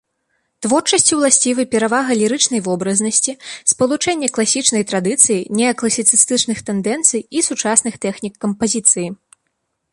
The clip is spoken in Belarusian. Творчасці ўласцівы перавага лірычнай вобразнасці, спалучэнне класічнай традыцыі, неакласіцыстычных тэндэнцый і сучасных тэхнік кампазіцыі.